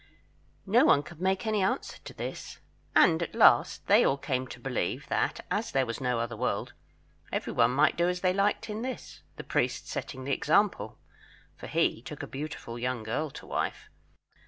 No one could make any answer to this; and at last they all came to believe that as there was no other world, everyone might do what they liked in this; the priest setting the example, for he took a beautiful young girl to wife.